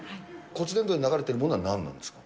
骨伝導に流れてるものはなんなんですか。